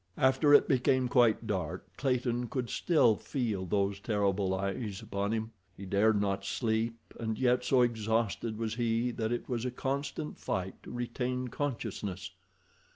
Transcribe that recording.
After it became quite dark Clayton could still feel those terrible eyes upon him. He dared not sleep, and yet so exhausted was he that it was a constant fight to retain consciousness.